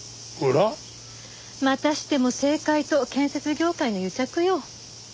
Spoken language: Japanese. またしても政界と建設業界の癒着よ。